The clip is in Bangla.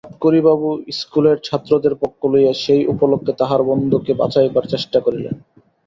সাতকড়িবাবু ইস্কুলের ছাত্রদের পক্ষ লইয়া সেই উপলক্ষে তাঁহার বন্ধুকে বাঁচাইবার চেষ্টা করিলেন।